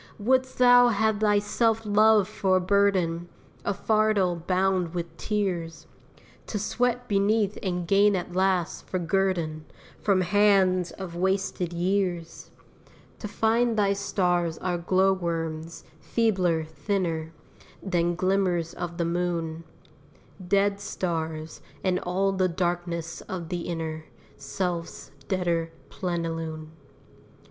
wouldst thou have thy self love for a burden, A fardel bound with tears, To sweat beneath and gain at last, for guerdon, From hands of wasted years? To find thy stars are glow worms, feebler, thinner Than glimmers of the moon: Dead stars, and all the darkness of the inner Self's deader plenilune.